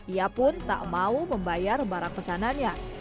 ia pun tak mau membayar barang pesanannya